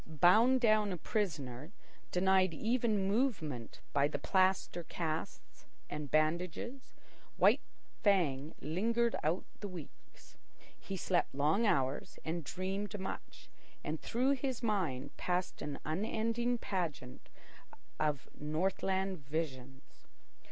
Bound down a prisoner, denied even movement by the plaster casts and bandages, White Fang lingered out the weeks. He slept long hours and dreamed much, and through his mind passed an unending pageant of Northland visions.